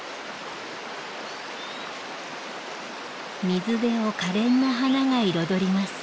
水辺を可憐な花が彩ります。